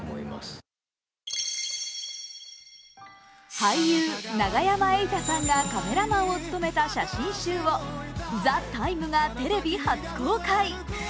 俳優・永山瑛太さんがカメラマンを務めた写真集を「ＴＨＥＴＩＭＥ，」がテレビ初公開。